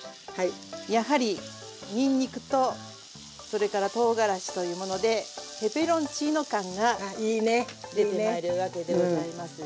やはりにんにくとそれからとうがらしというものでペペロンチーノ感が出てまいるわけでございます。